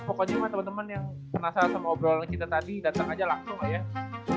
pokoknya mah temen temen yang penasaran sama obrolan kita tadi dateng aja langsung lah ya